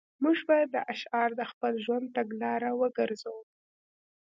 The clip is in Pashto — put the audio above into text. موږ باید دا شعار د خپل ژوند تګلاره وګرځوو